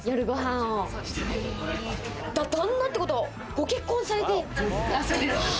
旦那ってことは、ご結婚されてる？